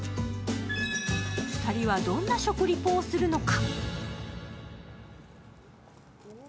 ２人はどんな食リポをするのか。